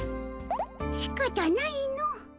しかたないの。